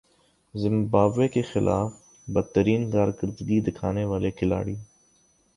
Zimbabwe کے خلاف بدترین کارکردگی دکھانے والے کھلاڑی